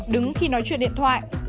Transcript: đứng khi nói chuyện điện thoại